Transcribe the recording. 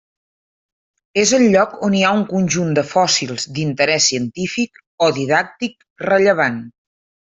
És el lloc on hi ha un conjunt de fòssils d'interés científic o didàctic rellevant.